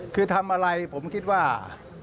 คือทำอะไรผมคิดว่า